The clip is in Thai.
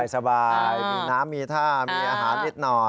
สบายมีน้ำมีท่ามีอาหารนิดหน่อย